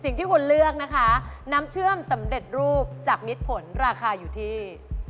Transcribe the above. สิ่งที่คุณเลือกนะคะน้ำเชื่อมสำเร็จรูปจากมิดผลราคาอยู่ที่